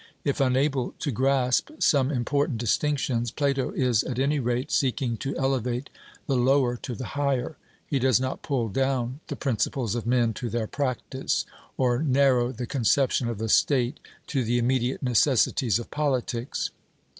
If unable to grasp some important distinctions, Plato is at any rate seeking to elevate the lower to the higher; he does not pull down the principles of men to their practice, or narrow the conception of the state to the immediate necessities of politics.